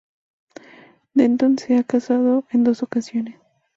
Denton se ha casado en dos ocasiones.